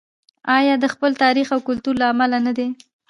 آیا د خپل تاریخ او کلتور له امله نه دی؟